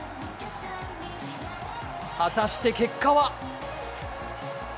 果たして結果は。